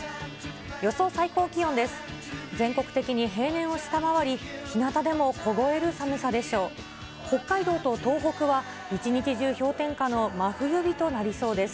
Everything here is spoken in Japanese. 予想最高気温です。